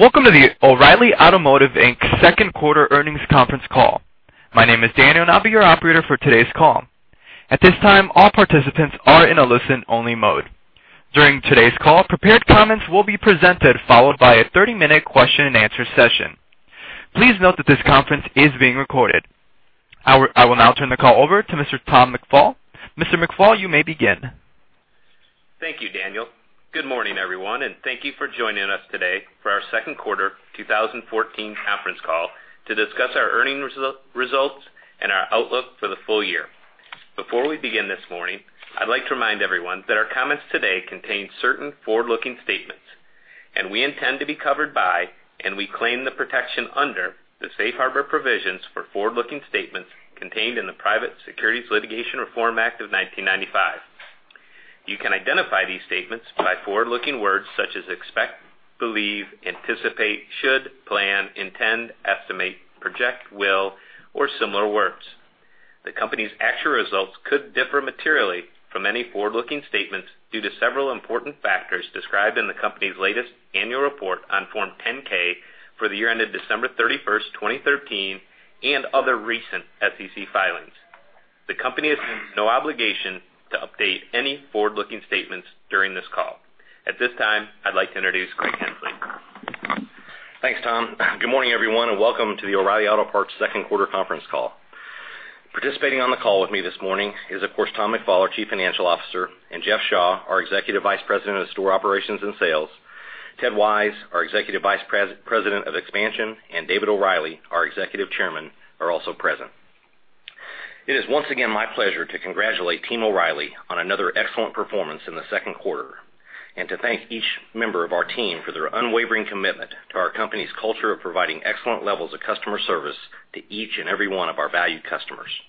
Welcome to the O’Reilly Automotive, Inc. second quarter earnings conference call. My name is Daniel, and I’ll be your operator for today’s call. At this time, all participants are in a listen-only mode. During today’s call, prepared comments will be presented, followed by a 30-minute question-and-answer session. Please note that this conference is being recorded. I will now turn the call over to Mr. Tom McFall. Mr. McFall, you may begin. Thank you, Daniel. Good morning, everyone, thank you for joining us today for our second quarter 2014 conference call to discuss our earnings results and our outlook for the full year. Before we begin this morning, I’d like to remind everyone that our comments today contain certain forward-looking statements, we intend to be covered by and we claim the protection under the Safe Harbor provisions for forward-looking statements contained in the Private Securities Litigation Reform Act of 1995. You can identify these statements by forward-looking words such as expect, believe, anticipate, should, plan, intend, estimate, project, will, or similar words. The company’s actual results could differ materially from any forward-looking statements due to several important factors described in the company’s latest annual report on Form 10-K for the year ended December 31st, 2013, other recent SEC filings. The company assumes no obligation to update any forward-looking statements during this call. At this time, I’d like to introduce Greg Henslee. Thanks, Tom. Good morning, everyone, welcome to the O’Reilly Auto Parts second quarter conference call. Participating on the call with me this morning is, of course, Tom McFall, our Chief Financial Officer, Jeff Shaw, our Executive Vice President of Store Operations and Sales. Ted Wise, our Executive Vice President of Expansion, David O’Reilly, our Executive Chairman, are also present. It is once again my pleasure to congratulate Team O’Reilly on another excellent performance in the second quarter to thank each member of our team for their unwavering commitment to our company’s culture of providing excellent levels of customer service to each and every one of our valued customers.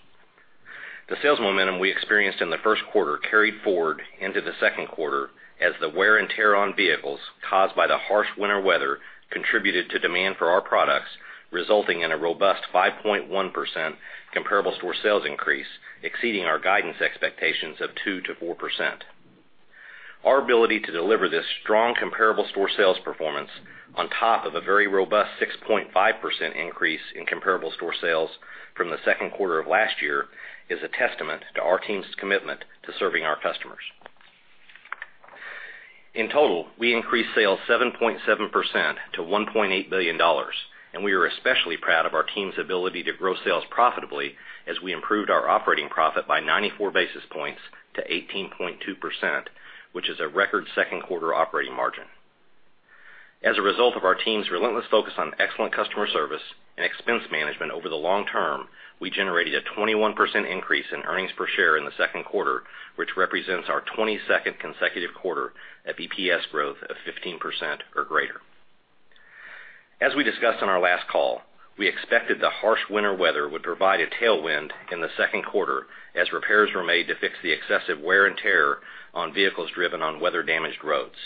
The sales momentum we experienced in the first quarter carried forward into the second quarter as the wear and tear on vehicles caused by the harsh winter weather contributed to demand for our products, resulting in a robust 5.1% comparable store sales increase, exceeding our guidance expectations of 2%-4%. Our ability to deliver this strong comparable store sales performance on top of a very robust 6.5% increase in comparable store sales from the second quarter of last year is a testament to our team’s commitment to serving our customers. In total, we increased sales 7.7% to $1.8 billion. We are especially proud of our team’s ability to grow sales profitably as we improved our operating profit by 94 basis points to 18.2%, which is a record second-quarter operating margin. As a result of our team’s relentless focus on excellent customer service and expense management over the long term, we generated a 21% increase in earnings per share in the second quarter, which represents our 22nd consecutive quarter of EPS growth of 15% or greater. As we discussed on our last call, we expected the harsh winter weather would provide a tailwind in the second quarter as repairs were made to fix the excessive wear and tear on vehicles driven on weather-damaged roads.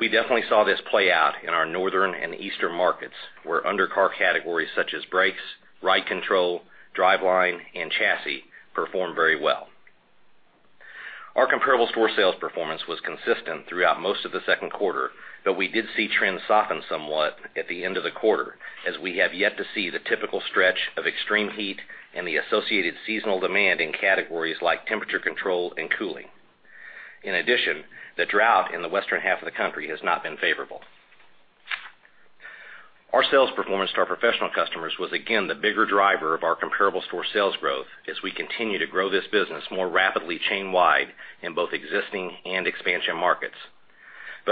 We definitely saw this play out in our northern and eastern markets, where undercar categories such as brakes, ride control, driveline, and chassis performed very well. Our comparable store sales performance was consistent throughout most of the second quarter. We did see trends soften somewhat at the end of the quarter, as we have yet to see the typical stretch of extreme heat and the associated seasonal demand in categories like temperature control and cooling. In addition, the drought in the western half of the country has not been favorable. Our sales performance to our professional customers was again the bigger driver of our comparable store sales growth as we continue to grow this business more rapidly chain-wide in both existing and expansion markets.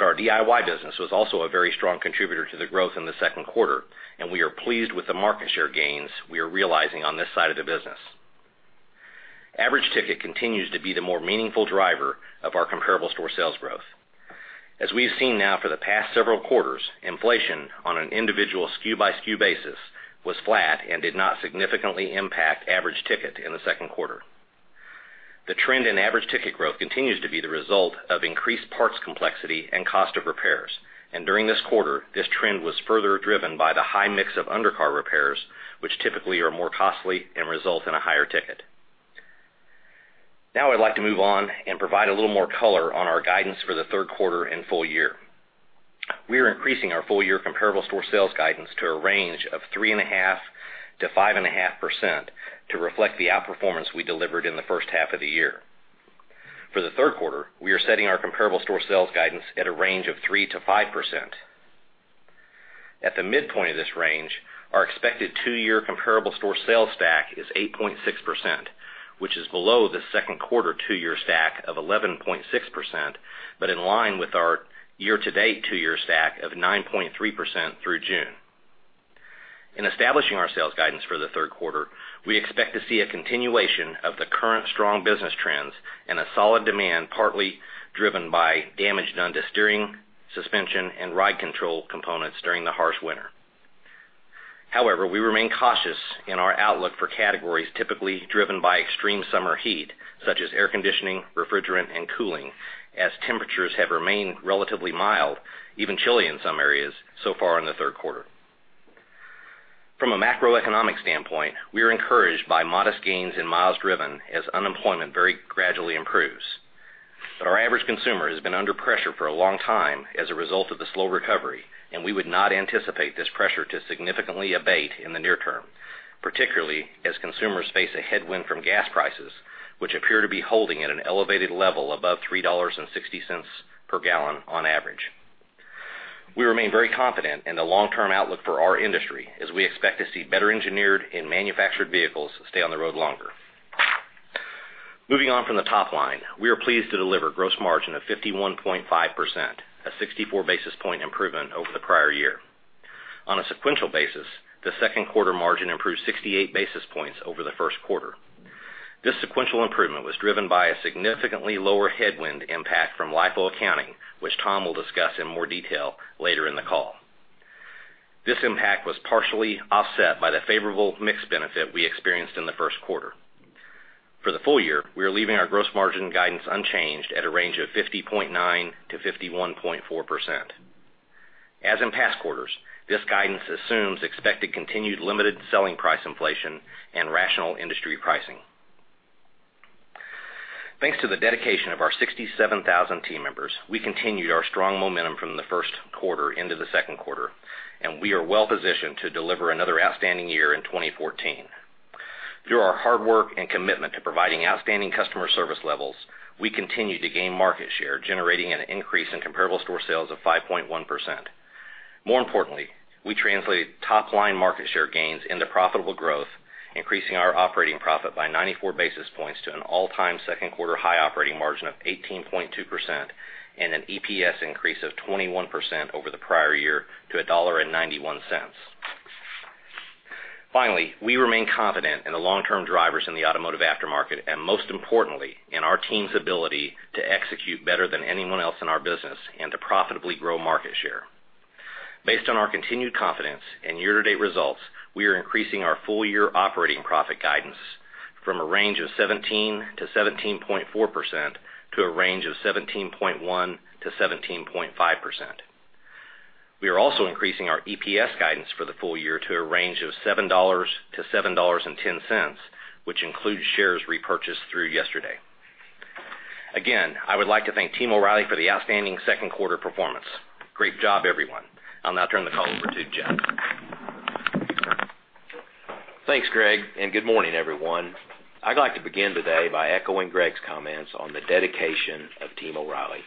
Our DIY business was also a very strong contributor to the growth in the second quarter. We are pleased with the market share gains we are realizing on this side of the business. Average ticket continues to be the more meaningful driver of our comparable store sales growth. As we’ve seen now for the past several quarters, inflation on an individual SKU-by-SKU basis was flat and did not significantly impact average ticket in the second quarter. The trend in average ticket growth continues to be the result of increased parts complexity and cost of repairs. During this quarter, this trend was further driven by the high mix of undercar repairs, which typically are more costly and result in a higher ticket. Now I’d like to move on and provide a little more color on our guidance for the third quarter and full year. We are increasing our full-year comparable store sales guidance to a range of 3.5%-5.5% to reflect the outperformance we delivered in the first half of the year. For the third quarter, we are setting our comparable store sales guidance at a range of 3%-5%. At the midpoint of this range, our expected two-year comparable store sales stack is 8.6%, which is below the second quarter two-year stack of 11.6% but in line with our year-to-date two-year stack of 9.3% through June. In establishing our sales guidance for the third quarter, we expect to see a continuation of the current strong business trends and a solid demand, partly driven by damage done to steering, suspension, and ride control components during the harsh winter. We remain cautious in our outlook for categories typically driven by extreme summer heat, such as air conditioning, refrigerant, and cooling, as temperatures have remained relatively mild, even chilly in some areas so far in the third quarter. From a macroeconomic standpoint, we are encouraged by modest gains in miles driven as unemployment very gradually improves. Our average consumer has been under pressure for a long time as a result of the slow recovery, and we would not anticipate this pressure to significantly abate in the near term, particularly as consumers face a headwind from gas prices, which appear to be holding at an elevated level above $3.60 per gallon on average. We remain very confident in the long-term outlook for our industry, as we expect to see better engineered and manufactured vehicles stay on the road longer. Moving on from the top line, we are pleased to deliver gross margin of 51.5%, a 64-basis point improvement over the prior year. On a sequential basis, the second quarter margin improved 68 basis points over the first quarter. This sequential improvement was driven by a significantly lower headwind impact from LIFO accounting, which Tom will discuss in more detail later in the call. This impact was partially offset by the favorable mix benefit we experienced in the first quarter. For the full year, we are leaving our gross margin guidance unchanged at a range of 50.9%-51.4%. As in past quarters, this guidance assumes expected continued limited selling price inflation and rational industry pricing. Thanks to the dedication of our 67,000 team members, we continued our strong momentum from the first quarter into the second quarter, and we are well-positioned to deliver another outstanding year in 2014. Through our hard work and commitment to providing outstanding customer service levels, we continued to gain market share, generating an increase in comparable store sales of 5.1%. More importantly, we translated top-line market share gains into profitable growth, increasing our operating profit by 94 basis points to an all-time second quarter high operating margin of 18.2% and an EPS increase of 21% over the prior year to $1.91. We remain confident in the long-term drivers in the automotive aftermarket and, most importantly, in our team's ability to execute better than anyone else in our business and to profitably grow market share. Based on our continued confidence in year-to-date results, we are increasing our full-year operating profit guidance from a range of 17%-17.4% to a range of 17.1%-17.5%. We are also increasing our EPS guidance for the full year to a range of $7-$7.10, which includes shares repurchased through yesterday. Again, I would like to thank Team O’Reilly for the outstanding second quarter performance. Great job, everyone. I'll now turn the call over to Jeff. Thanks, Greg. Good morning, everyone. I'd like to begin today by echoing Greg's comments on the dedication of Team O'Reilly.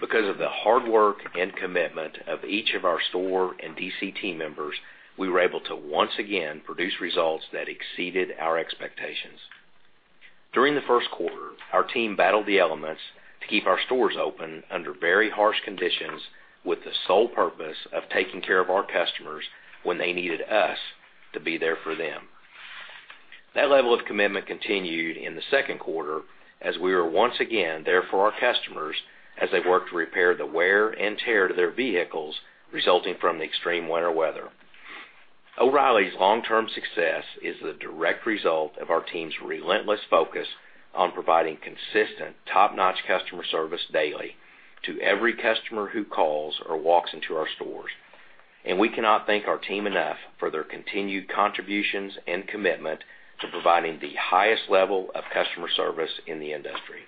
Because of the hard work and commitment of each of our store and DC team members, we were able to once again produce results that exceeded our expectations. During the first quarter, our team battled the elements to keep our stores open under very harsh conditions with the sole purpose of taking care of our customers when they needed us to be there for them. That level of commitment continued in the second quarter as we were once again there for our customers as they worked to repair the wear and tear to their vehicles resulting from the extreme winter weather. O'Reilly's long-term success is the direct result of our team's relentless focus on providing consistent top-notch customer service daily to every customer who calls or walks into our stores. We cannot thank our team enough for their continued contributions and commitment to providing the highest level of customer service in the industry.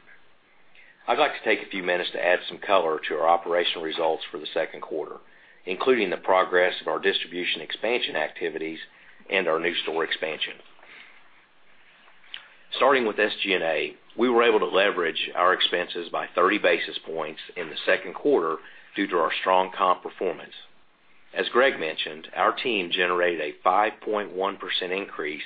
I'd like to take a few minutes to add some color to our operational results for the second quarter, including the progress of our distribution expansion activities and our new store expansion. Starting with SG&A, we were able to leverage our expenses by 30 basis points in the second quarter due to our strong comp performance. As Greg mentioned, our team generated a 5.1% increase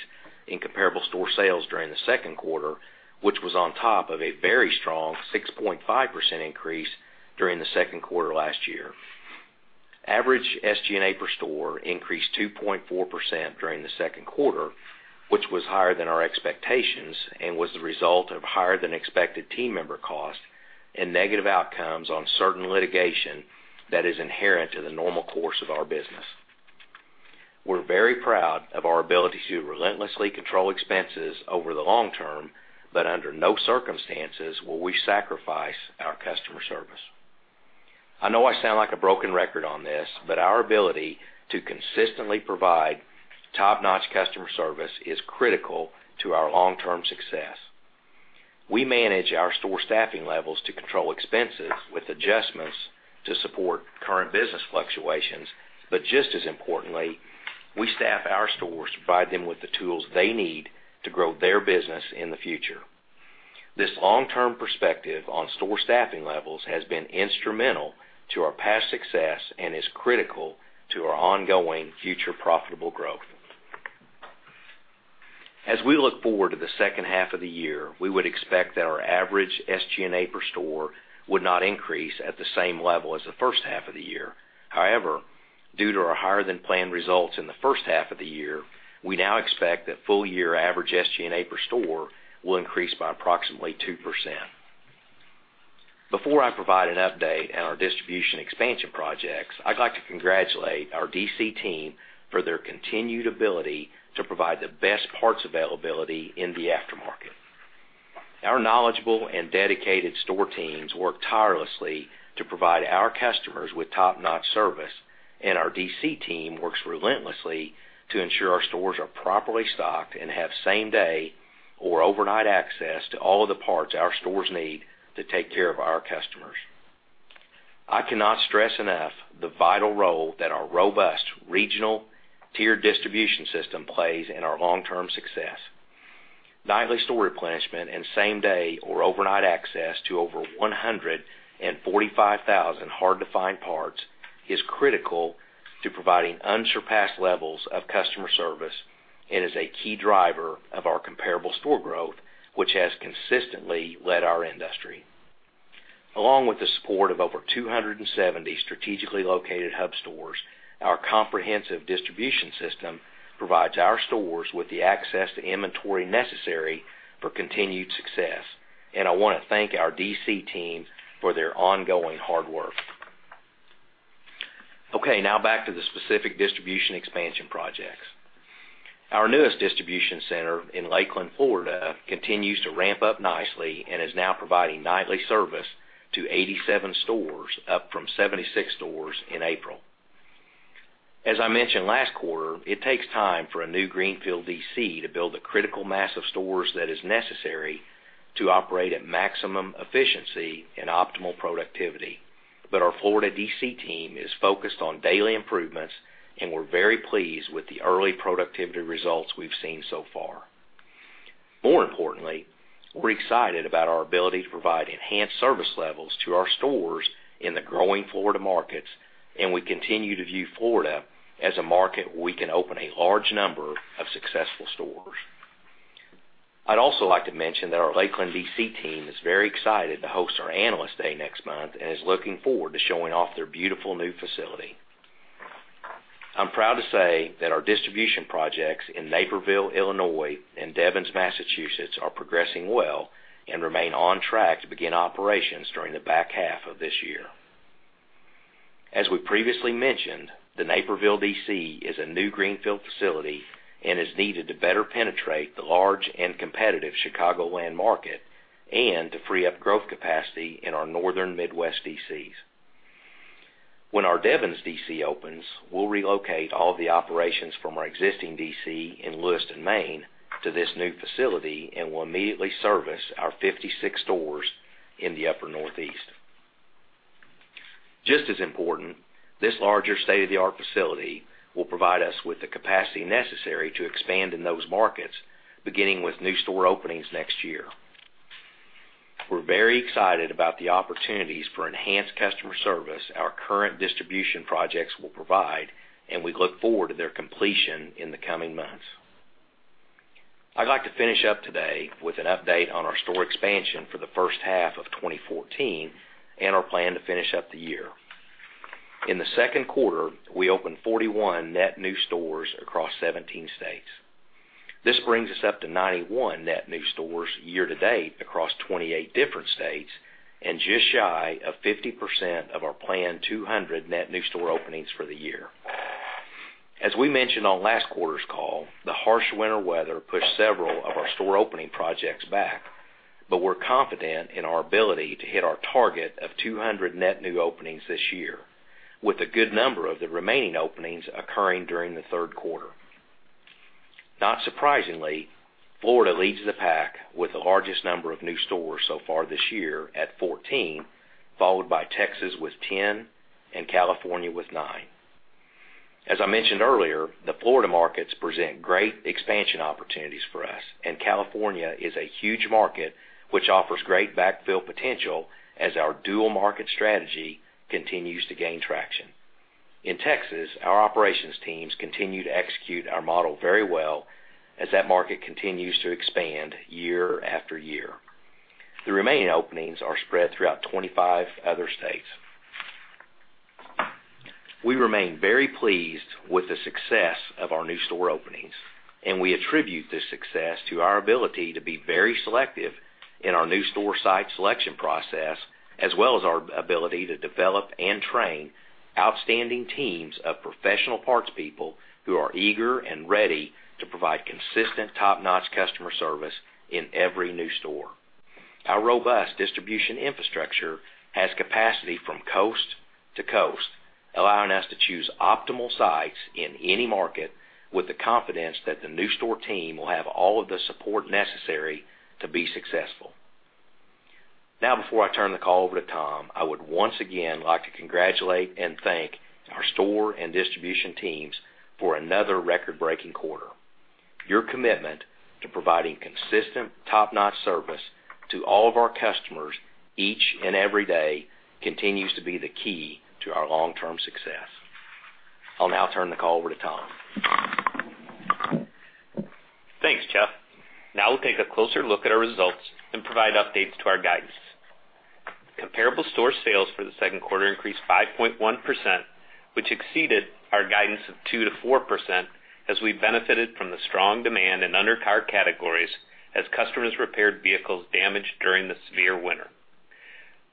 in comparable store sales during the second quarter, which was on top of a very strong 6.5% increase during the second quarter last year. Average SG&A per store increased 2.4% during the second quarter, which was higher than our expectations and was the result of higher-than-expected team member cost and negative outcomes on certain litigation that is inherent to the normal course of our business. We're very proud of our ability to relentlessly control expenses over the long term, but under no circumstances will we sacrifice our customer service. I know I sound like a broken record on this, but our ability to consistently provide top-notch customer service is critical to our long-term success. We manage our store staffing levels to control expenses with adjustments to support current business fluctuations, but just as importantly, we staff our stores to provide them with the tools they need to grow their business in the future. This long-term perspective on store staffing levels has been instrumental to our past success and is critical to our ongoing future profitable growth. As we look forward to the second half of the year, we would expect that our average SG&A per store would not increase at the same level as the first half of the year. However, due to our higher-than-planned results in the first half of the year, we now expect that full-year average SG&A per store will increase by approximately 2%. Before I provide an update on our distribution expansion projects, I'd like to congratulate our DC team for their continued ability to provide the best parts availability in the aftermarket. Our knowledgeable and dedicated store teams work tirelessly to provide our customers with top-notch service, and our DC team works relentlessly to ensure our stores are properly stocked and have same-day or overnight access to all of the parts our stores need to take care of our customers. I cannot stress enough the vital role that our robust regional tiered distribution system plays in our long-term success. Nightly store replenishment and same-day or overnight access to over 145,000 hard-to-find parts is critical to providing unsurpassed levels of customer service and is a key driver of our comparable store growth, which has consistently led our industry. Along with the support of over 270 strategically located hub stores, our comprehensive distribution system provides our stores with the access to inventory necessary for continued success, and I want to thank our DC team for their ongoing hard work. Okay, now back to the specific distribution expansion projects. Our newest distribution center in Lakeland, Florida, continues to ramp up nicely and is now providing nightly service to 87 stores, up from 76 stores in April. As I mentioned last quarter, it takes time for a new greenfield DC to build the critical mass of stores that is necessary to operate at maximum efficiency and optimal productivity. Our Florida DC team is focused on daily improvements, and we're very pleased with the early productivity results we've seen so far. More importantly, we're excited about our ability to provide enhanced service levels to our stores in the growing Florida markets, and we continue to view Florida as a market where we can open a large number of successful stores. I'd also like to mention that our Lakeland DC team is very excited to host our Analyst Day next month and is looking forward to showing off their beautiful new facility. I'm proud to say that our distribution projects in Naperville, Illinois, and Devens, Massachusetts, are progressing well and remain on track to begin operations during the back half of this year. As we previously mentioned, the Naperville DC is a new greenfield facility and is needed to better penetrate the large and competitive Chicagoland market and to free up growth capacity in our northern Midwest DCs. When our Devens DC opens, we'll relocate all the operations from our existing DC in Lewiston, Maine, to this new facility and will immediately service our 56 stores in the upper Northeast. Just as important, this larger state-of-the-art facility will provide us with the capacity necessary to expand in those markets, beginning with new store openings next year. We're very excited about the opportunities for enhanced customer service our current distribution projects will provide, and we look forward to their completion in the coming months. I'd like to finish up today with an update on our store expansion for the first half of 2014 and our plan to finish up the year. In the second quarter, we opened 41 net new stores across 17 states. This brings us up to 91 net new stores year-to-date across 28 different states and just shy of 50% of our planned 200 net new store openings for the year. As we mentioned on last quarter's call, the harsh winter weather pushed several of our store opening projects back, but we're confident in our ability to hit our target of 200 net new openings this year, with a good number of the remaining openings occurring during the third quarter. Not surprisingly, Florida leads the pack with the largest number of new stores so far this year at 14, followed by Texas with 10, and California with nine. As I mentioned earlier, the Florida markets present great expansion opportunities for us, and California is a huge market which offers great backfill potential as our dual market strategy continues to gain traction. In Texas, our operations teams continue to execute our model very well as that market continues to expand year after year. The remaining openings are spread throughout 25 other states. We remain very pleased with the success of our new store openings, and we attribute this success to our ability to be very selective in our new store site selection process, as well as our ability to develop and train outstanding teams of professional parts people who are eager and ready to provide consistent, top-notch customer service in every new store. Our robust distribution infrastructure has capacity from coast to coast, allowing us to choose optimal sites in any market with the confidence that the new store team will have all of the support necessary to be successful. Now, before I turn the call over to Tom, I would once again like to congratulate and thank our store and distribution teams for another record-breaking quarter. Your commitment to providing consistent, top-notch service to all of our customers each and every day continues to be the key to our long-term success. I'll now turn the call over to Tom. Thanks, Jeff. We'll take a closer look at our results and provide updates to our guidance. Comparable store sales for the second quarter increased 5.1%, which exceeded our guidance of 2%-4% as we benefited from the strong demand in undercar categories as customers repaired vehicles damaged during the severe winter.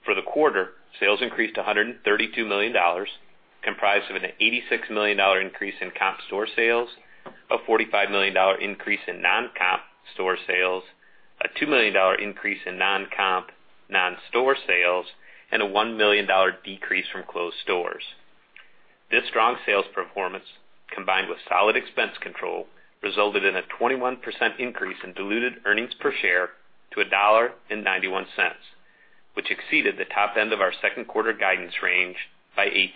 For the quarter, sales increased to $132 million, comprised of an $86 million increase in comp store sales, a $45 million increase in non-comp store sales, a $2 million increase in non-comp non-store sales, and a $1 million decrease from closed stores. This strong sales performance, combined with solid expense control, resulted in a 21% increase in diluted earnings per share to $1.91, which exceeded the top end of our second quarter guidance range by $0.08.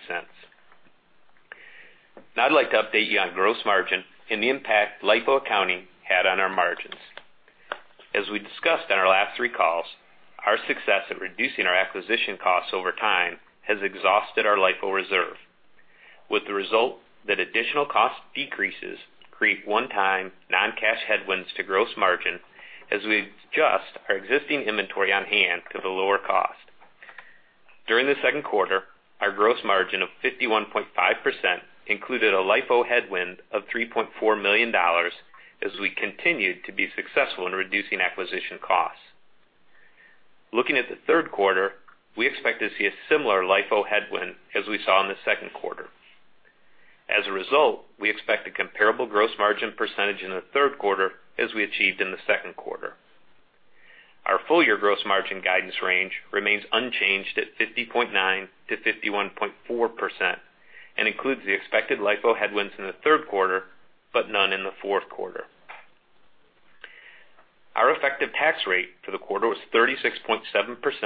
I'd like to update you on gross margin and the impact LIFO accounting had on our margins. As we discussed on our last three calls, our success at reducing our acquisition costs over time has exhausted our LIFO reserve, with the result that additional cost decreases create one-time non-cash headwinds to gross margin as we adjust our existing inventory on hand to the lower cost. During the second quarter, our gross margin of 51.5% included a LIFO headwind of $3.4 million as we continued to be successful in reducing acquisition costs. Looking at the third quarter, we expect to see a similar LIFO headwind as we saw in the second quarter. We expect a comparable gross margin percentage in the third quarter as we achieved in the second quarter. Our full-year gross margin guidance range remains unchanged at 50.9%-51.4% and includes the expected LIFO headwinds in the third quarter, but none in the fourth quarter. Our effective tax rate for the quarter was 36.7%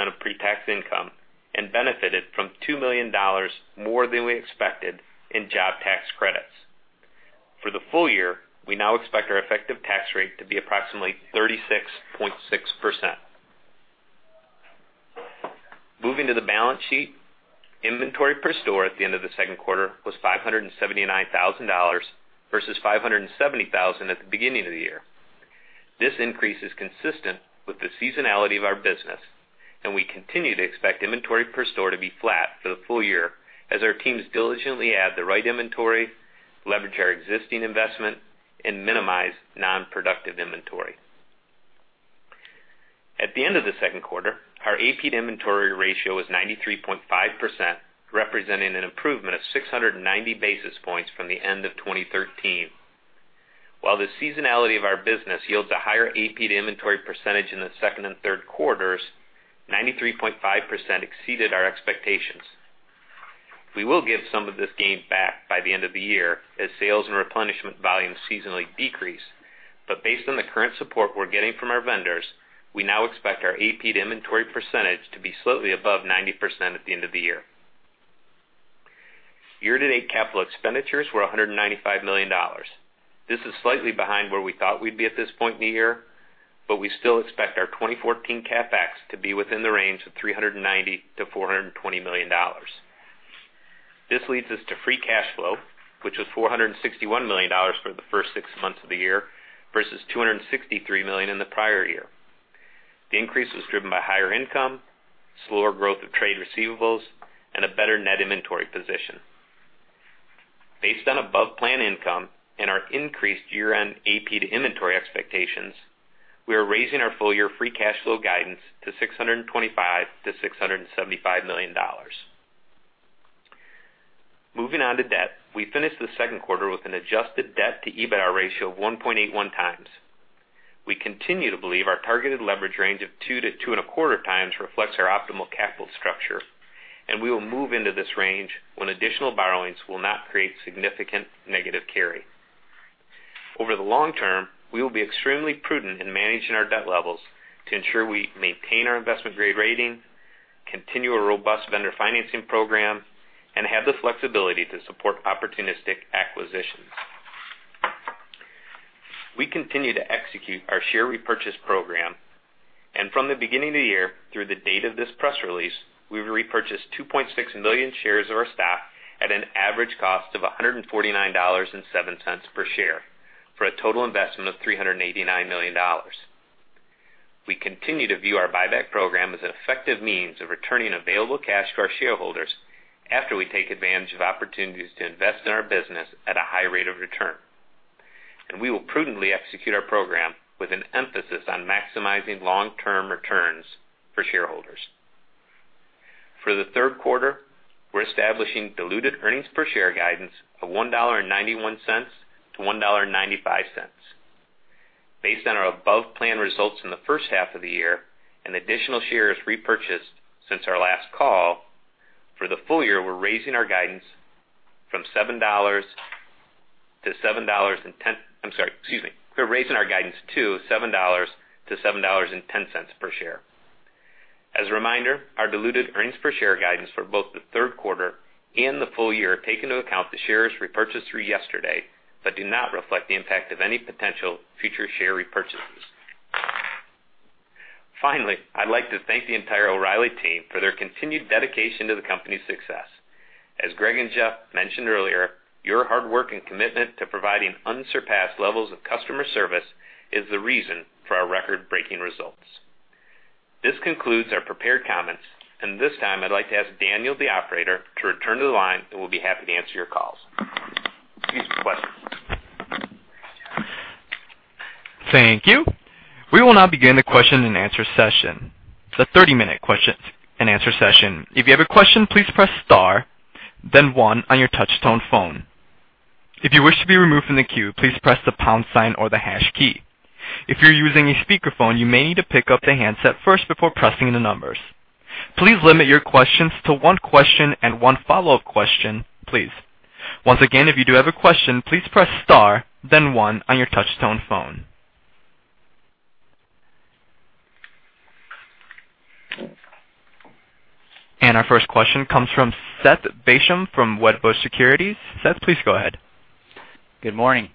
of pre-tax income and benefited from $2 million more than we expected in job tax credits. For the full year, we now expect our effective tax rate to be approximately 36.6%. Moving to the balance sheet, inventory per store at the end of the second quarter was $579,000 versus $570,000 at the beginning of the year. This increase is consistent with the seasonality of our business, and we continue to expect inventory per store to be flat for the full year as our teams diligently add the right inventory, leverage our existing investment, and minimize non-productive inventory. At the end of the second quarter, our AP to inventory ratio was 93.5%, representing an improvement of 690 basis points from the end of 2013. While the seasonality of our business yields a higher AP to inventory percentage in the second and third quarters, 93.5% exceeded our expectations. We will give some of this gain back by the end of the year as sales and replenishment volumes seasonally decrease, but based on the current support we're getting from our vendors, we now expect our AP to inventory percentage to be slightly above 90% at the end of the year. Year-to-date capital expenditures were $195 million. This is slightly behind where we thought we'd be at this point in the year, but we still expect our 2014 CapEx to be within the range of $390 million-$420 million. This leads us to free cash flow, which was $461 million for the first six months of the year versus $263 million in the prior year. The increase was driven by higher income, slower growth of trade receivables, and a better net inventory position. Based on above-plan income and our increased year-end AP to inventory expectations, we are raising our full-year free cash flow guidance to $625 million-$675 million. Moving on to debt. We finished the second quarter with an adjusted debt to EBITDA ratio of 1.81 times. We continue to believe our targeted leverage range of two to two and a quarter times reflects our optimal capital structure, we will move into this range when additional borrowings will not create significant negative carry. Over the long term, we will be extremely prudent in managing our debt levels to ensure we maintain our investment-grade rating, continue a robust vendor financing program, and have the flexibility to support opportunistic acquisitions. We continue to execute our share repurchase program, from the beginning of the year through the date of this press release, we repurchased 2.6 million shares of our stock at an average cost of $149.07 per share for a total investment of $389 million. We continue to view our buyback program as an effective means of returning available cash to our shareholders after we take advantage of opportunities to invest in our business at a high rate of return. We will prudently execute our program with an emphasis on maximizing long-term returns for shareholders. For the third quarter, we're establishing diluted earnings per share guidance of $1.91-$1.95. Based on our above-plan results in the first half of the year, and additional shares repurchased since our last call, for the full year, we're raising our guidance to $7-$7.10 per share. As a reminder, our diluted earnings per share guidance for both the third quarter and the full year take into account the shares repurchased through yesterday but do not reflect the impact of any potential future share repurchases. Finally, I'd like to thank the entire O'Reilly Team for their continued dedication to the company's success. As Greg and Jeff mentioned earlier, your hard work and commitment to providing unsurpassed levels of customer service is the reason for our record-breaking results. This concludes our prepared comments. At this time, I'd like to ask Daniel, the operator, to return to the line, and we'll be happy to answer your calls. Excuse me. Questions. Thank you. We will now begin the question and answer session. It's a 30-minute question and answer session. If you have a question, please press star then one on your touch tone phone. If you wish to be removed from the queue, please press the pound sign or the hash key. If you're using a speakerphone, you may need to pick up the handset first before pressing the numbers. Please limit your questions to one question and one follow-up question, please. Once again, if you do have a question, please press star then one on your touch tone phone. Our first question comes from Seth Basham from Wedbush Securities. Seth, please go ahead. Good morning.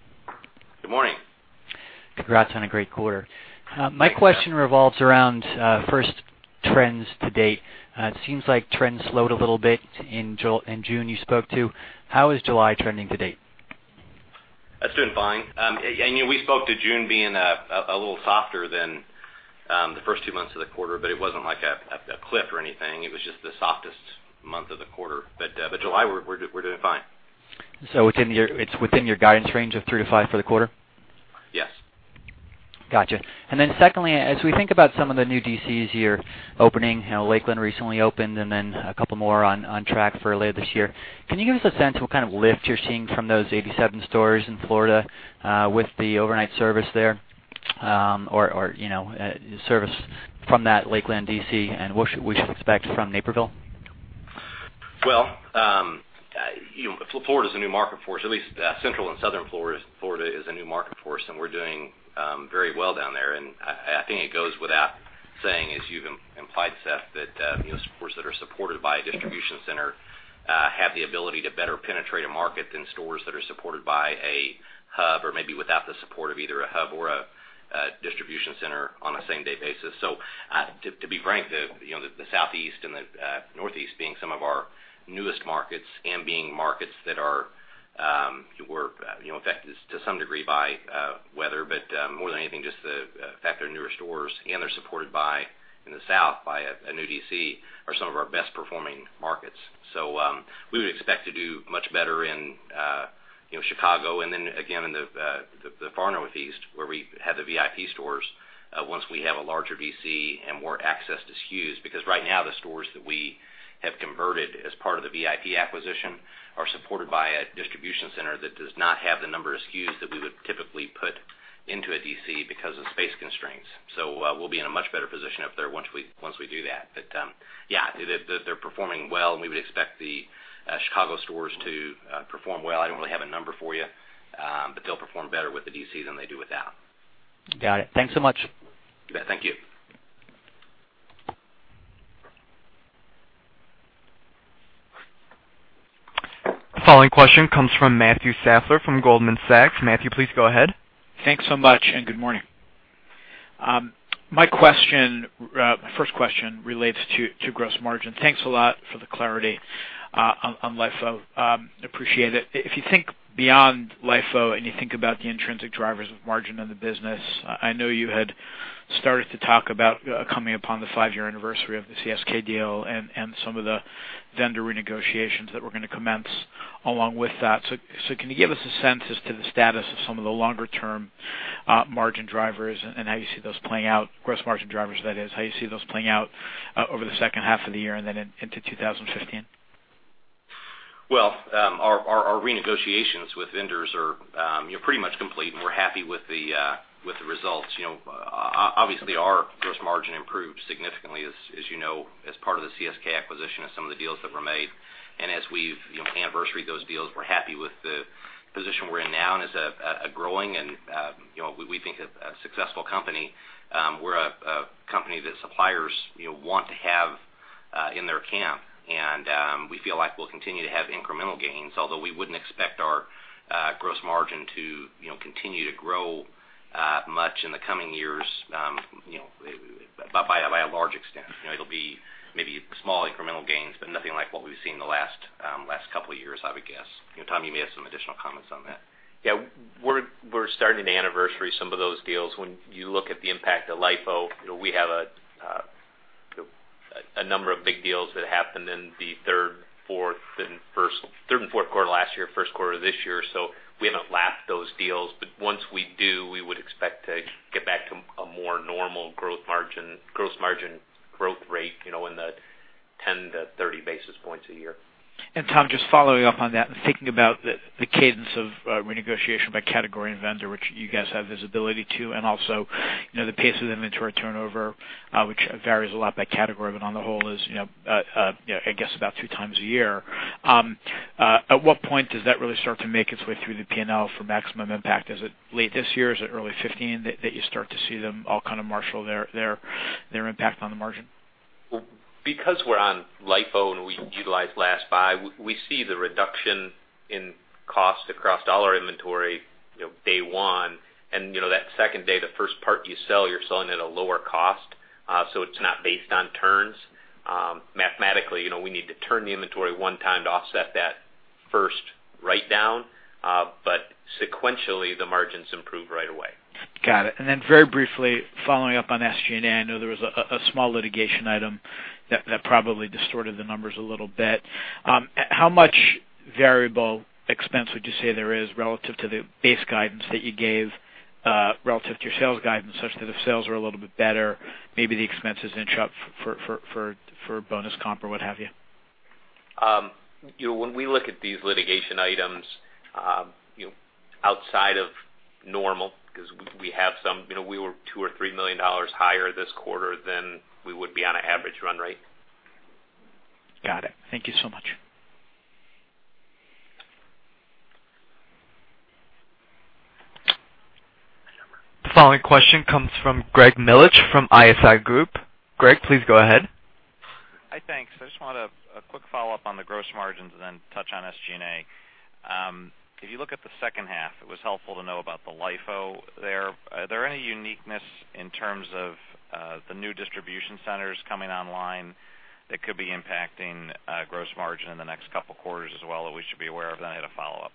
Good morning. Congrats on a great quarter. My question revolves around first trends to date. It seems like trends slowed a little bit in June you spoke to. How is July trending to date? It's doing fine. We spoke to June being a little softer than the first two months of the quarter, it wasn't like a cliff or anything. It was just the softest month of the quarter. July, we're doing fine. It's within your guidance range of 3%-5% for the quarter? Yes. Got you. Secondly, as we think about some of the new DCs you're opening, Lakeland recently opened and then a couple more on track for later this year. Can you give us a sense what kind of lift you're seeing from those 87 stores in Florida with the overnight service there, or service from that Lakeland DC and what should we expect from Naperville? Well, Florida's a new market for us, at least Central and Southern Florida is a new market for us, and we're doing very well down there. I think it goes without saying, as you've implied, Seth, that stores that are supported by a distribution center have the ability to better penetrate a market than stores that are supported by a hub or maybe without the support of either a hub or a distribution center on a same-day basis. To be frank, the Southeast and the Northeast being some of our newest markets and being markets that are affected to some degree by weather. More than anything, just the fact they're newer stores and they're supported in the South by a new DC are some of our best performing markets. We would expect to do much better in Chicago and then again in the far Northeast where we have the VIP stores once we have a larger DC and more access to SKUs. Right now the stores that we have converted as part of the VIP acquisition are supported by a distribution center that does not have the number of SKUs that we would typically put into a DC because of space constraints. We'll be in a much better position up there once we do that. Yeah, they're performing well and we would expect the Chicago stores to perform well. I don't really have a number for you. They'll perform better with the DC than they do without. Got it. Thanks so much. Thank you. The following question comes from Matthew Fassler from Goldman Sachs. Matthew, please go ahead. Thanks so much. Good morning. My first question relates to gross margin. Thanks a lot for the clarity on LIFO. Appreciate it. If you think beyond LIFO and you think about the intrinsic drivers of margin in the business, I know you had started to talk about coming upon the five-year anniversary of the CSK deal and some of the vendor renegotiations that were going to commence along with that. Can you give us a sense as to the status of some of the longer-term margin drivers and how you see those playing out, gross margin drivers that is, how you see those playing out over the second half of the year and then into 2015? Well, our renegotiations with vendors are pretty much complete and we're happy with the results. Obviously, our gross margin improved significantly as you know, as part of the CSK acquisition of some of the deals that were made. As we've anniversaried those deals, we're happy with the position we're in now and as a growing and we think a successful company. We're a company that suppliers want to have in their camp. We feel like we'll continue to have incremental gains, although we wouldn't expect our gross margin to continue to grow much in the coming years by a large extent. It'll be maybe small incremental gains, but nothing like what we've seen in the last couple of years, I would guess. Tom, you may have some additional comments on that. Yeah. We're starting to anniversary some of those deals. When you look at the impact of LIFO, we have a number of big deals that happened in the third and fourth quarter last year, first quarter this year. We haven't lapped those deals. Once we do, we would expect to get back to a more normal gross margin growth rate in the 10-30 basis points a year. Tom, just following up on that and thinking about the cadence of renegotiation by category and vendor, which you guys have visibility to, and also the pace of inventory turnover, which varies a lot by category but on the whole is I guess about two times a year. At what point does that really start to make its way through the P&L for maximum impact? Is it late this year? Is it early 2015 that you start to see them all kind of marshal their impact on the margin? Because we're on LIFO and we utilize last buy, we see the reduction in cost across dollar inventory day one. That second day, the first part you sell, you're selling at a lower cost. It's not based on turns. Mathematically, we need to turn the inventory one time to offset that first write down. Sequentially, the margins improve right away. Got it. Very briefly following up on SG&A, I know there was a small litigation item that probably distorted the numbers a little bit. Variable expense would you say there is relative to the base guidance that you gave, relative to your sales guidance, such that if sales are a little bit better, maybe the expense is in shop for bonus comp or what have you? When we look at these litigation items outside of normal, because we have some, we were $2 million or $3 million higher this quarter than we would be on an average run rate. Got it. Thank you so much. The following question comes from Gregory Melich from ISI Group. Greg, please go ahead. Hi, thanks. I just wanted a quick follow-up on the gross margins and then touch on SG&A. If you look at the second half, it was helpful to know about the LIFO there. Are there any uniqueness in terms of the new distribution centers coming online that could be impacting gross margin in the next couple of quarters as well that we should be aware of? I had a follow-up.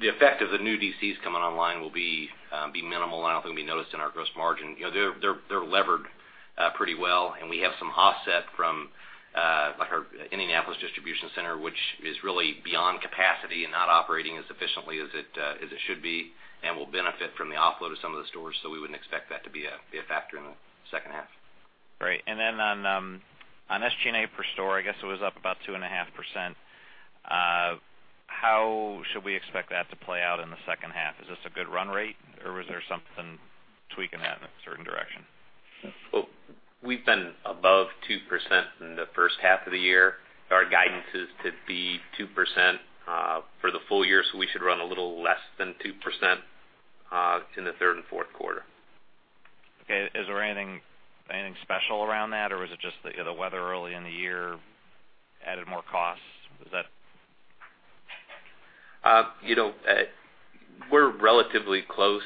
The effect of the new DCs coming online will be minimal and I don't think will be noticed in our gross margin. They're levered pretty well, and we have some offset from our Indianapolis distribution center, which is really beyond capacity and not operating as efficiently as it should be and will benefit from the offload of some of the stores, so we wouldn't expect that to be a factor in the second half. Great. On SG&A per store, I guess it was up about 2.5%. How should we expect that to play out in the second half? Is this a good run rate, or was there something tweaking that in a certain direction? Well, we've been above 2% in the first half of the year. Our guidance is to be 2% for the full year, so we should run a little less than 2% in the third and fourth quarter. Is there anything special around that, or is it just the weather early in the year added more costs? We're relatively close.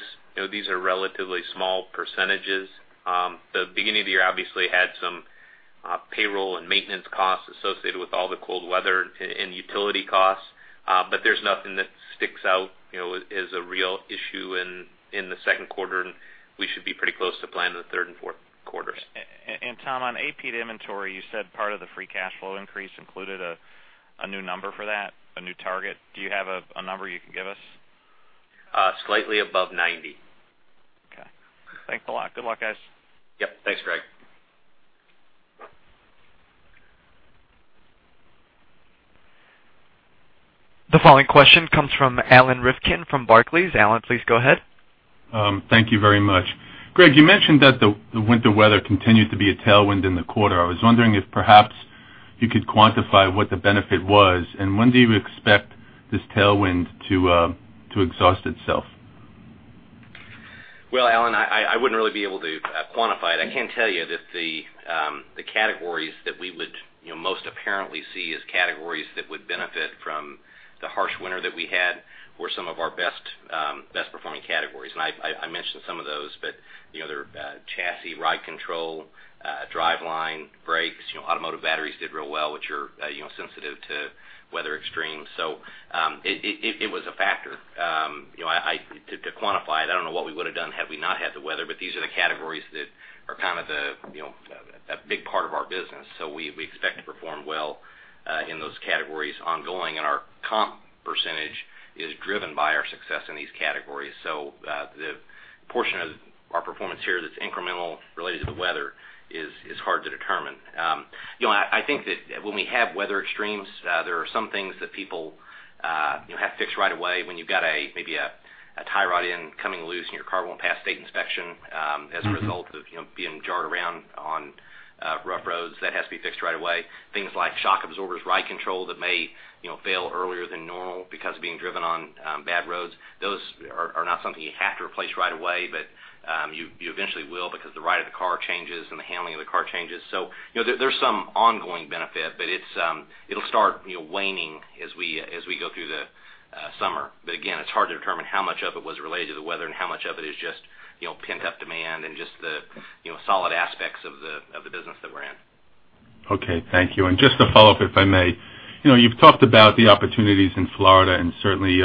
These are relatively small percentages. The beginning of the year obviously had some payroll and maintenance costs associated with all the cold weather and utility costs. There's nothing that sticks out as a real issue in the second quarter, and we should be pretty close to plan in the third and fourth quarters. Tom, on AP to inventory, you said part of the free cash flow increase included a new number for that, a new target. Do you have a number you can give us? Slightly above 90. Okay. Thanks a lot. Good luck, guys. Yep. Thanks, Greg. The following question comes from Alan Rifkin from Barclays. Alan, please go ahead. Thank you very much. Greg, you mentioned that the winter weather continued to be a tailwind in the quarter. I was wondering if perhaps you could quantify what the benefit was, and when do you expect this tailwind to exhaust itself? Alan, I wouldn't really be able to quantify it. I can tell you that the categories that we would most apparently see as categories that would benefit from the harsh winter that we had were some of our best performing categories. I mentioned some of those, but they're chassis, ride control, driveline, brakes. Automotive batteries did real well, which are sensitive to weather extremes. It was a factor. To quantify it, I don't know what we would have done had we not had the weather, but these are the categories that are a big part of our business. We expect to perform well in those categories ongoing, and our comp percentage is driven by our success in these categories. The portion of our performance here that's incremental related to the weather is hard to determine. I think that when we have weather extremes, there are some things that people have fixed right away. When you've got maybe a tie rod end coming loose and your car won't pass state inspection as a result of being jarred around on rough roads, that has to be fixed right away. Things like shock absorbers, ride control that may fail earlier than normal because of being driven on bad roads, those are not something you have to replace right away, but you eventually will because the ride of the car changes and the handling of the car changes. There's some ongoing benefit, but it'll start waning as we go through the summer. Again, it's hard to determine how much of it was related to the weather and how much of it is just pent-up demand and just the solid aspects of the business that we're in. Okay. Thank you. Just to follow up, if I may. You've talked about the opportunities in Florida, and certainly,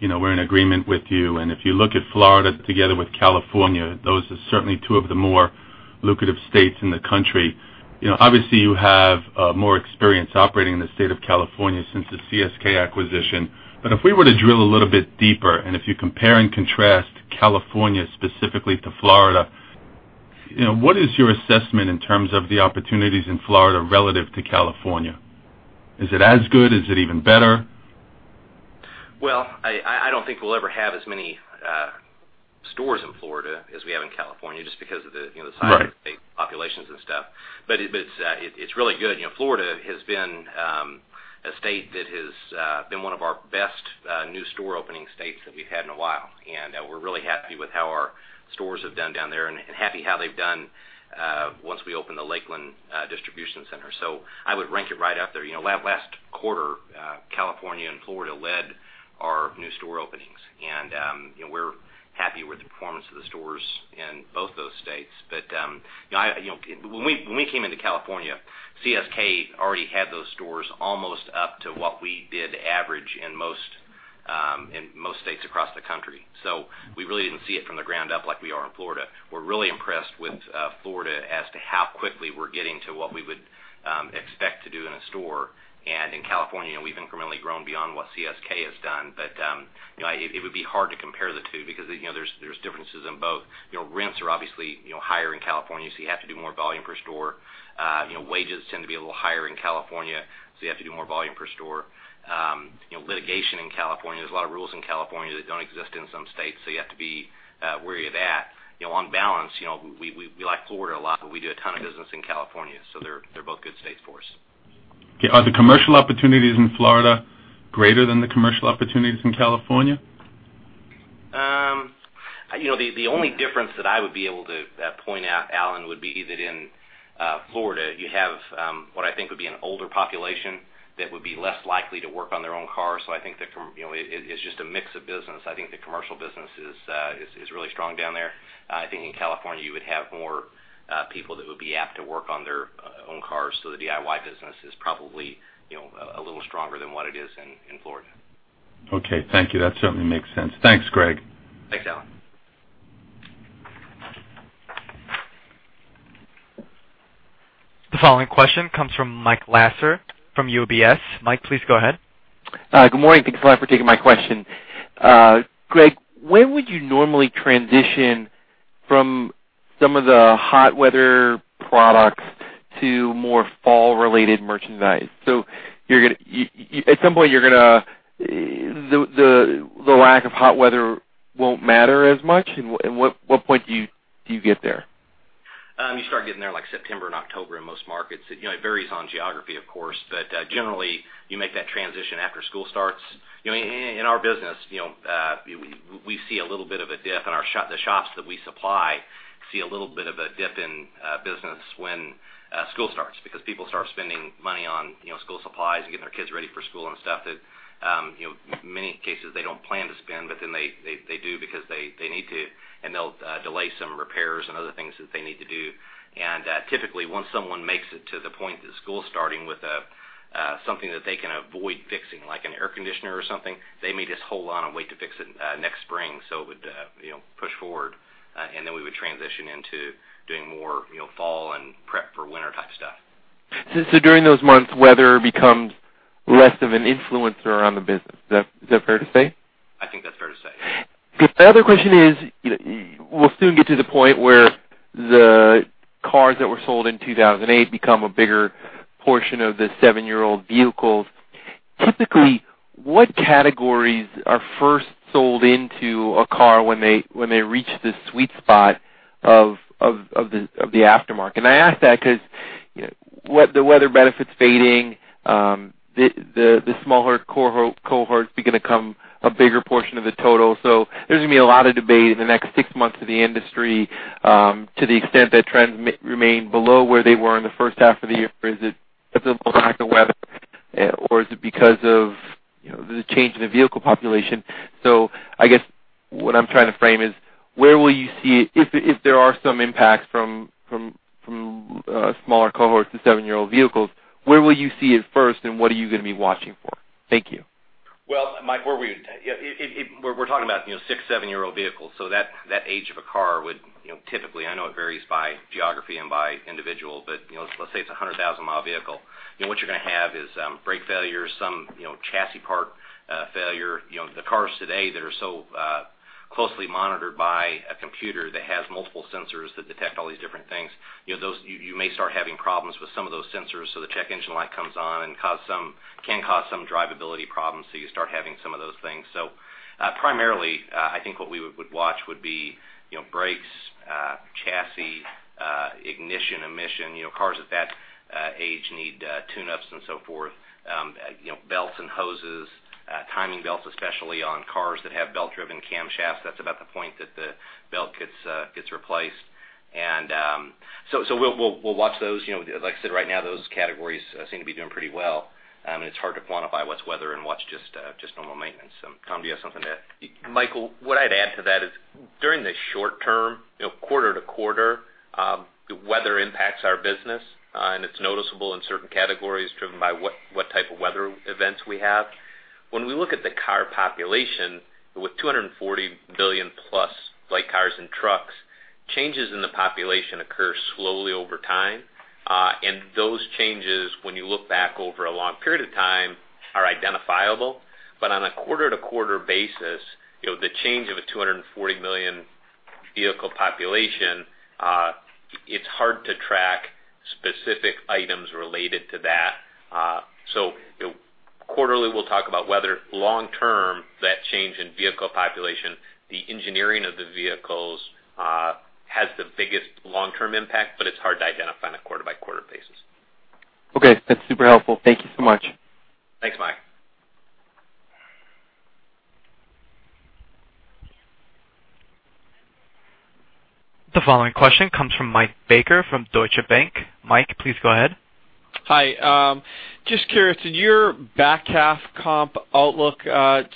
we're in agreement with you. If you look at Florida together with California, those are certainly two of the more lucrative states in the country. Obviously, you have more experience operating in the state of California since the CSK acquisition. If we were to drill a little deeper, and if you compare and contrast California specifically to Florida, what is your assessment in terms of the opportunities in Florida relative to California? Is it as good? Is it even better? Well, I don't think we'll ever have as many stores in Florida as we have in California, just because of the size- Right of the populations and stuff. It's really good. Florida has been a state that has been one of our best new store opening states that we've had in a while, and we're really happy with how our stores have done down there and happy how they've done once we opened the Lakeland distribution center. I would rank it right up there. Last quarter, California and Florida led our new store openings, and we're happy with the performance of the stores in both those states. When we came into California, CSK already had those stores almost up to what we did average in most states across the country. We really didn't see it from the ground up like we are in Florida. We're really impressed with Florida as to how quickly we're getting to what we would expect to do in a store. In California, we've incrementally grown beyond what CSK has done. It would be hard to compare the two because there's differences in both. Rents are obviously higher in California, so you have to do more volume per store. Wages tend to be a little higher in California, so you have to do more volume per store. Litigation in California, there's a lot of rules in California that don't exist in some states, so you have to be wary of that. On balance, we like Florida a lot, but we do a ton of business in California, so they're both good states for us. Are the commercial opportunities in Florida greater than the commercial opportunities in California? The only difference that I would be able to point out, Alan, would be is that in Florida you have what I think would be an older population that would be less likely to work on their own cars. I think it's just a mix of business. I think the commercial business is really strong down there. I think in California you would have more people that would be apt to work on their own cars. The DIY business is probably a little stronger than what it is in Florida. Okay, thank you. That certainly makes sense. Thanks, Greg. Thanks, Alan. The following question comes from Michael Lasser from UBS. Mike, please go ahead. Good morning. Thanks a lot for taking my question. Greg, when would you normally transition from some of the hot weather products to more fall related merchandise? At some point, the lack of hot weather won't matter as much. At what point do you get there? You start getting there like September and October in most markets. It varies on geography, of course, but generally you make that transition after school starts. In our business, we see a little bit of a dip in the shops that we supply, see a little bit of a dip in business when school starts because people start spending money on school supplies and getting their kids ready for school and stuff that, in many cases, they don't plan to spend, but then they do because they need to. They'll delay some repairs and other things that they need to do. Typically, once someone makes it to the point that school's starting with something that they can avoid fixing, like an air conditioner or something, they may just hold on and wait to fix it next spring. It would push forward, and then we would transition into doing more fall and prep for winter type stuff. During those months, weather becomes less of an influencer on the business. Is that fair to say? I think that's fair to say. The other question is, we'll soon get to the point where the cars that were sold in 2008 become a bigger portion of the seven-year-old vehicles. Typically, what categories are first sold into a car when they reach this sweet spot of the aftermarket? I ask that because the weather benefits fading, the smaller cohorts become a bigger portion of the total. There's going to be a lot of debate in the next 6 months of the industry to the extent that trends remain below where they were in the first half of the year. Is it because of the weather or is it because of the change in the vehicle population? I guess what I'm trying to frame is, if there are some impacts from smaller cohorts to seven-year-old vehicles, where will you see it first and what are you going to be watching for? Thank you. Mike, We're talking about six, seven-year-old vehicles. That age of a car would typically, I know it varies by geography and by individual, but let's say it's a 100,000-mile vehicle. What you're going to have is brake failures, some chassis part failure. The cars today that are so closely monitored by a computer that has multiple sensors that detect all these different things, you may start having problems with some of those sensors. The check engine light comes on and can cause some drivability problems. You start having some of those things. Primarily, I think what we would watch would be brakes, chassis, ignition, emission. Cars at that age need tuneups and so forth. Belts and hoses, timing belts, especially on cars that have belt driven camshafts. That's about the point that the belt gets replaced. We'll watch those. I said, right now, those categories seem to be doing pretty well, it's hard to quantify what's weather and what's just normal maintenance. Tom, do you have something to add? Michael, what I'd add to that is during the short term, quarter to quarter, the weather impacts our business, and it's noticeable in certain categories driven by what type of weather events we have. When we look at the car population with 240 billion plus cars and trucks, changes in the population occur slowly over time. Those changes, when you look back over a long period of time, are identifiable. On a quarter-to-quarter basis, the change of a 240 million vehicle population, it's hard to track specific items related to that. Quarterly, we'll talk about weather long term, that change in vehicle population, the engineering of the vehicles has the biggest long-term impact, but it's hard to identify on a quarter-by-quarter basis. That's super helpful. Thank you so much. Thanks, Mike. The following question comes from Michael Baker from Deutsche Bank. Mike, please go ahead. Hi. Just curious, did your back half comp outlook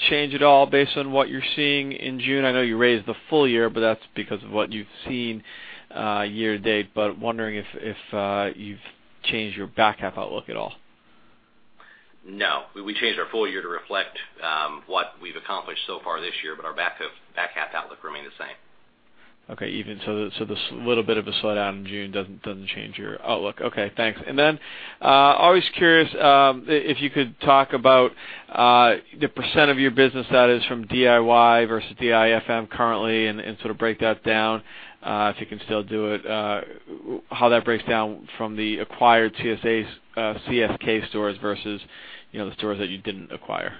change at all based on what you're seeing in June? I know you raised the full year, that's because of what you've seen year to date. Wondering. Change your back half outlook at all? No, we changed our full year to reflect what we've accomplished so far this year, but our back half outlook remained the same. Okay. This little bit of a slowdown in June doesn't change your outlook. Okay, thanks. Always curious if you could talk about the % of your business that is from DIY versus DIFM currently, and sort of break that down, if you can still do it, how that breaks down from the acquired CSK stores versus the stores that you didn't acquire.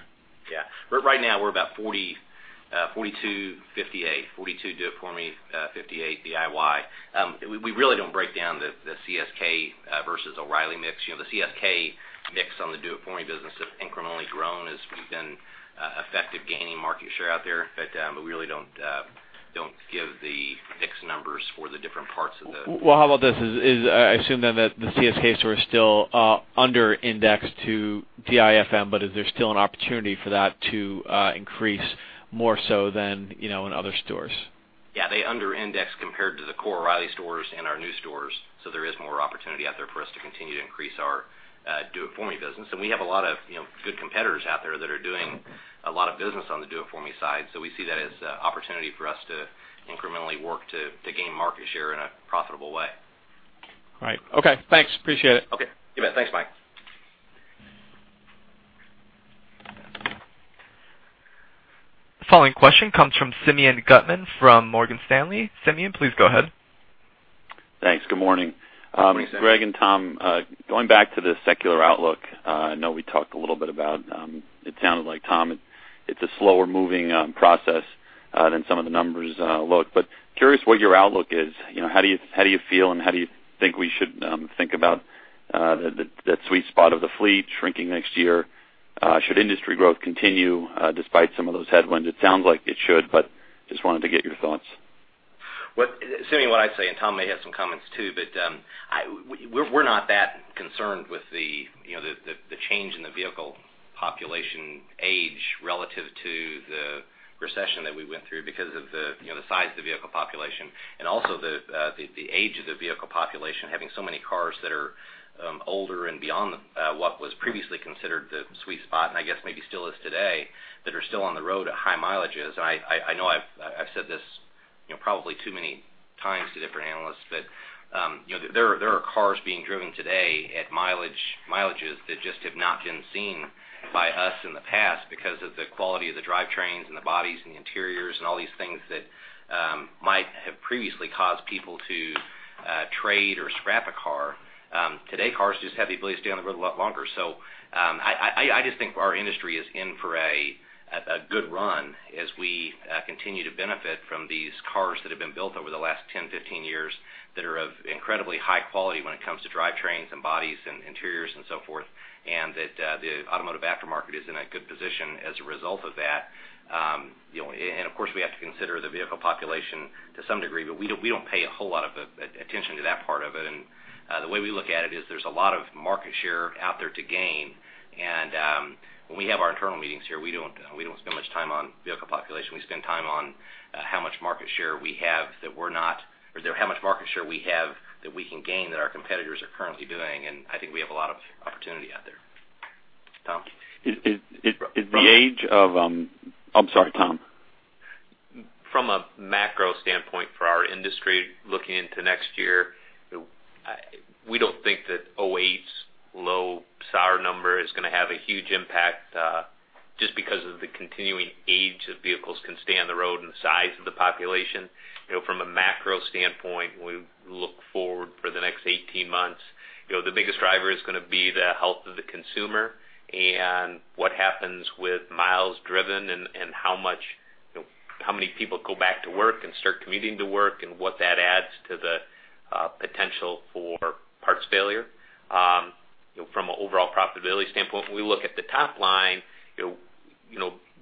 Yeah. Right now we're about 42/58. 42 do it for me, 58 DIY. We really don't break down the CSK versus O’Reilly mix. The CSK mix on the do it for me business has incrementally grown as we've been effective gaining market share out there, but we really don't give the mix numbers for the different parts. Well, how about this. I assume that the CSK stores still are under index to DIFM, is there still an opportunity for that to increase more so than in other stores? Yeah, they under index compared to the core O’Reilly stores and our new stores. There is more opportunity out there for us to continue to increase our do it for me business. We have a lot of good competitors out there that are doing a lot of business on the do it for me side, we see that as an opportunity for us to incrementally work to gain market share in a profitable way. Right. Okay. Thanks. Appreciate it. Okay. You bet. Thanks, Mike. The following question comes from Simeon Gutman from Morgan Stanley. Simeon, please go ahead. Thanks. Good morning. Good morning. Greg and Tom, going back to the secular outlook, I know we talked a little bit about, it sounded like Tom, it's a slower moving process than some of the numbers look, but curious what your outlook is. How do you feel, and what do you think we should think about that sweet spot of the fleet shrinking next year? Should industry growth continue despite some of those headwinds? It sounds like it should, but just wanted to get your thoughts. Simeon, what I'd say, and Tom may have some comments too, but we're not that concerned with the change in the vehicle population age relative to the recession that we went through because of the size of the vehicle population and also the age of the vehicle population, having so many cars that are older and beyond what was previously considered the sweet spot, and I guess maybe still is today, that are still on the road at high mileages. I know I've said this probably too many times to different analysts, but there are cars being driven today at mileages that just have not been seen by us in the past because of the quality of the drivetrains and the bodies and the interiors and all these things that might have previously caused people to trade or scrap a car. Today, cars just have the ability to stay on the road a lot longer. I just think our industry is in for a good run as we continue to benefit from these cars that have been built over the last 10, 15 years that are of incredibly high quality when it comes to drivetrains and bodies and interiors and so forth, and that the automotive aftermarket is in a good position as a result of that. Of course, we have to consider the vehicle population to some degree, but we don't pay a whole lot of attention to that part of it. The way we look at it is there's a lot of market share out there to gain, and when we have our internal meetings here, we don't spend much time on vehicle population. We spend time on how much market share we have that we can gain that our competitors are currently doing, and I think we have a lot of opportunity out there. Tom? I'm sorry, Tom. From a macro standpoint for our industry looking into next year, we don't think that 2008's low SAR number is going to have a huge impact, just because of the continuing age that vehicles can stay on the road and the size of the population. From a macro standpoint, when we look forward for the next 18 months, the biggest driver is going to be the health of the consumer and what happens with miles driven and how many people go back to work and start commuting to work and what that adds to the potential for parts failure. From an overall profitability standpoint, when we look at the top line,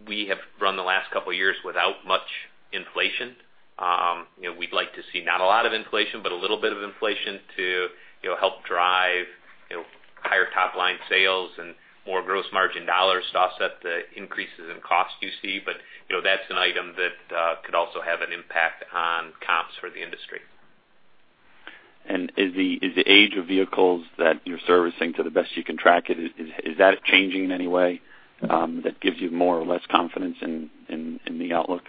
we have run the last couple of years without much inflation. We'd like to see not a lot of inflation, but a little bit of inflation to help drive higher top-line sales and more gross margin dollars to offset the increases in cost you see. That's an item that could also have an impact on comps for the industry. Is the age of vehicles that you're servicing, to the best you can track it, is that changing in any way that gives you more or less confidence in the outlook?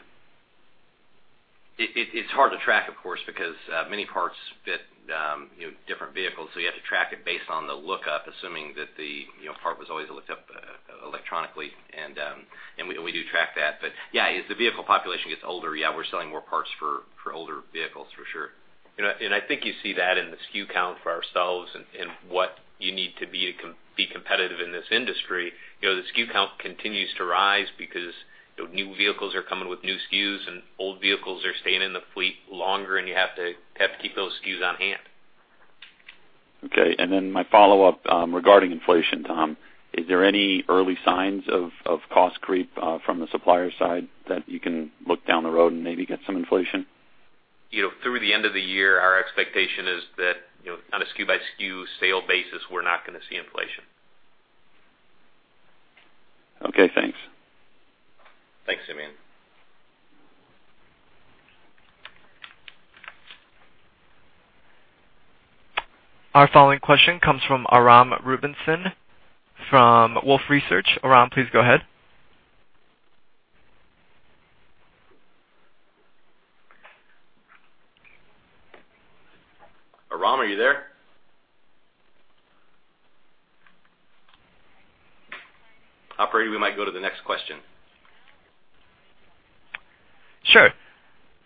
It's hard to track, of course, because many parts fit different vehicles, so you have to track it based on the lookup, assuming that the part was always looked up electronically. We do track that. Yeah, as the vehicle population gets older, yeah, we're selling more parts for older vehicles, for sure. I think you see that in the SKU count for ourselves and what you need to be competitive in this industry. The SKU count continues to rise because new vehicles are coming with new SKUs and old vehicles are staying in the fleet longer, and you have to keep those SKUs on hand. Okay. My follow-up regarding inflation, Tom. Is there any early signs of cost creep from the supplier side that you can look down the road and maybe get some inflation? Through the end of the year, our expectation is that on a SKU by SKU sale basis, we're not going to see inflation. Okay, thanks. Our following question comes from Aram Rubinson from Wolfe Research. Aram, please go ahead. Aram, are you there? Operator, we might go to the next question. Sure.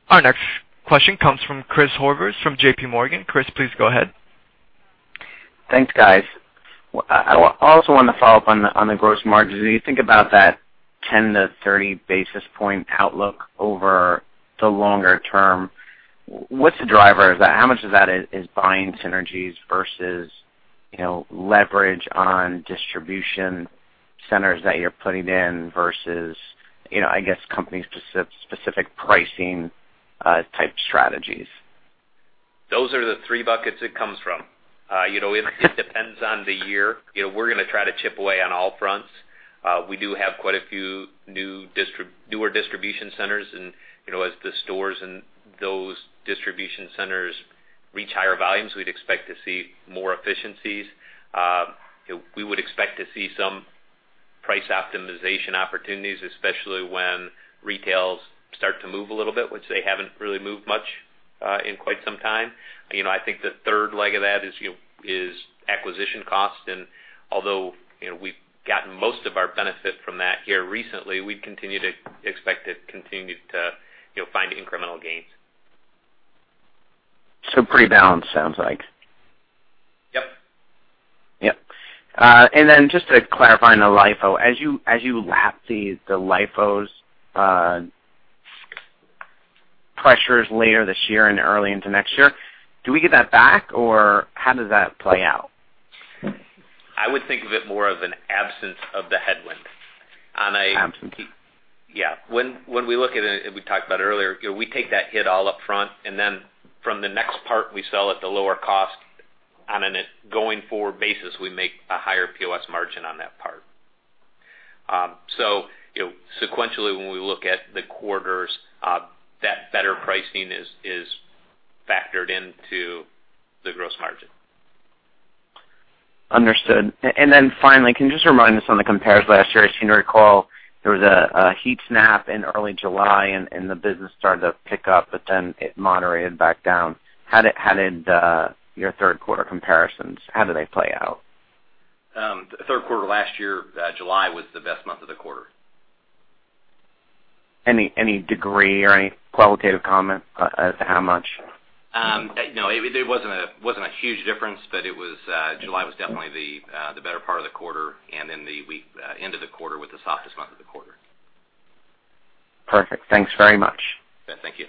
Our next question comes from Christopher Horvers from JP Morgan. Chris, please go ahead. Thanks, guys. I also want to follow up on the gross margins. When you think about that 10-30 basis points outlook over the longer term, what's the driver? How much of that is buying synergies versus leverage on distribution centers that you're putting in versus, I guess, company-specific pricing type strategies? Those are the three buckets it comes from. It depends on the year. We're going to try to chip away on all fronts. We do have quite a few newer distribution centers and, as the stores and those distribution centers reach higher volumes, we'd expect to see more efficiencies. We would expect to see some price optimization opportunities, especially when retails start to move a little bit, which they haven't really moved much in quite some time. I think the third leg of that is acquisition cost, and although we've gotten most of our benefit from that here recently, we continue to expect to continue to find incremental gains. Pretty balanced, sounds like. Yep. Yep. Just to clarify on the LIFO, as you lap the LIFO pressures later this year and early into next year, do we get that back, or how does that play out? I would think of it more of an absence of the headwind. Absence. Yeah. When we look at it, we talked about it earlier, we take that hit all up front. Then from the next part, we sell at the lower cost. On a going-forward basis, we make a higher POS margin on that part. Sequentially, when we look at the quarters, that better pricing is factored into the gross margin. Understood. Then finally, can you just remind us on the compares last year? I seem to recall there was a heat snap in early July and the business started to pick up, but then it moderated back down. How did your third-quarter comparisons, how did they play out? Third quarter last year, July was the best month of the quarter. Any degree or any qualitative comment as to how much? No, it wasn't a huge difference, but July was definitely the better part of the quarter, and then we ended the quarter with the softest month of the quarter. Perfect. Thanks very much. Yeah, thank you.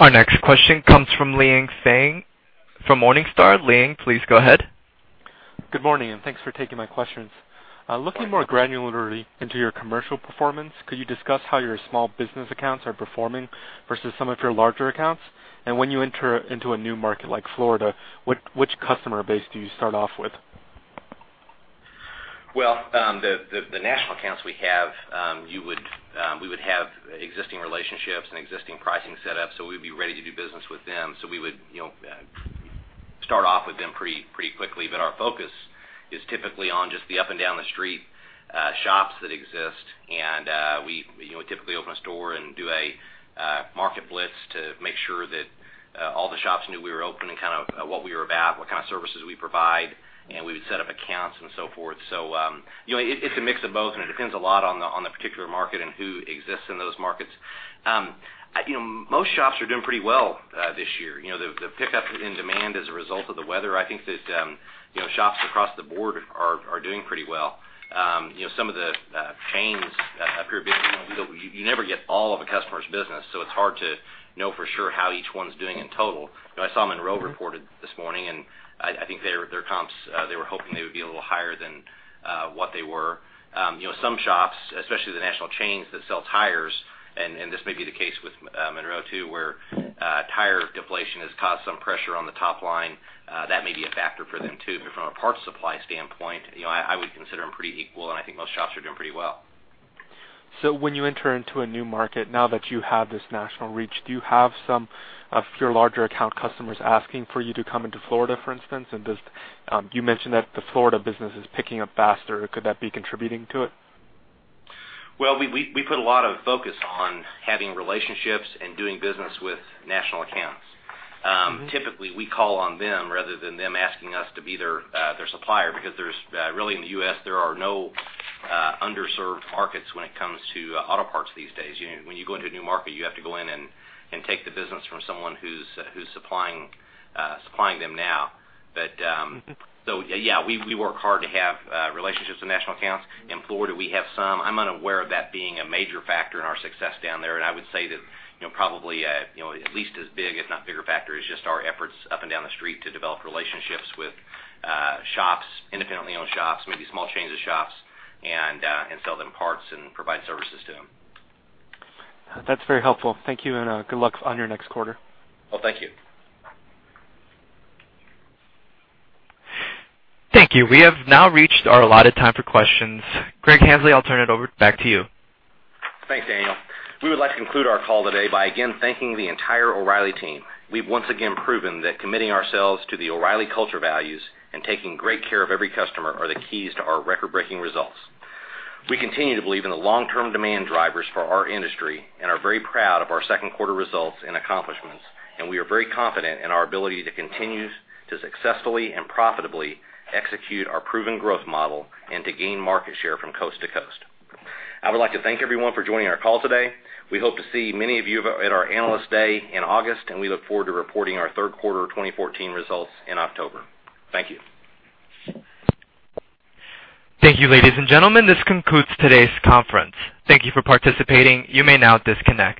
Our next question comes from Liang Tsang from Morningstar. Liang, please go ahead. Good morning, and thanks for taking my questions. Looking more granularly into your commercial performance, could you discuss how your small business accounts are performing versus some of your larger accounts? When you enter into a new market like Florida, which customer base do you start off with? The national accounts we have, we would have existing relationships and existing pricing set up, so we would be ready to do business with them. We would start off with them pretty quickly. Our focus is typically on just the up and down the street shops that exist, and we typically open a store and do a market blitz to make sure that all the shops knew we were open and what we were about, what kind of services we provide, and we would set up accounts and so forth. It's a mix of both, and it depends a lot on the particular market and who exists in those markets. Most shops are doing pretty well this year. The pickup in demand as a result of the weather, I think that shops across the board are doing pretty well. You never get all of a customer's business, so it's hard to know for sure how each one's doing in total. I saw Monro reported this morning, and I think their comps, they were hoping they would be a little higher than what they were. Some shops, especially the national chains that sell tires, and this may be the case with Monro too, where tire deflation has caused some pressure on the top line. That may be a factor for them, too. From a parts supply standpoint, I would consider them pretty equal, and I think most shops are doing pretty well. When you enter into a new market, now that you have this national reach, do you have some of your larger account customers asking for you to come into Florida, for instance? You mentioned that the Florida business is picking up faster. Could that be contributing to it? Well, we put a lot of focus on having relationships and doing business with national accounts. Typically, we call on them rather than them asking us to be their supplier, because really in the U.S., there are no underserved markets when it comes to auto parts these days. When you go into a new market, you have to go in and take the business from someone who's supplying them now. Yeah, we work hard to have relationships with national accounts. In Florida, we have some. I'm unaware of that being a major factor in our success down there, and I would say that probably at least as big, if not bigger factor, is just our efforts up and down the street to develop relationships with shops, independently owned shops, maybe small chains of shops, and sell them parts and provide services to them. That's very helpful. Thank you, and good luck on your next quarter. Well, thank you. Thank you. We have now reached our allotted time for questions. Greg Henslee, I'll turn it over back to you. Thanks, Daniel. We would like to conclude our call today by again thanking the entire O’Reilly team. We've once again proven that committing ourselves to the O’Reilly culture values and taking great care of every customer are the keys to our record-breaking results. We continue to believe in the long-term demand drivers for our industry and are very proud of our second quarter results and accomplishments, and we are very confident in our ability to continue to successfully and profitably execute our proven growth model and to gain market share from coast to coast. I would like to thank everyone for joining our call today. We hope to see many of you at our Analyst Day in August, and we look forward to reporting our third quarter 2014 results in October. Thank you. Thank you, ladies and gentlemen. This concludes today's conference. Thank you for participating. You may now disconnect.